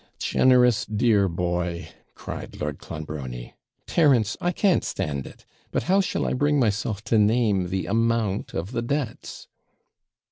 'Generous, dear boy,' cried Lord Clonbrony. 'Terence, I can't stand it; but how shall I bring myself to name the amount of the debts?'